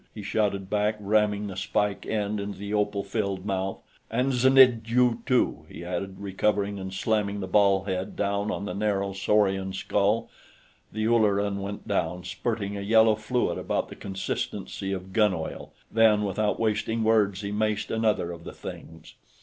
he shouted back, ramming the spike end into the opal filled mouth. "And znidd you, too," he added, recovering and slamming the ball head down on the narrow saurian skull. The Ulleran went down, spurting a yellow fluid about the consistency of gun oil. Then, without wasting words, he maced another of the things.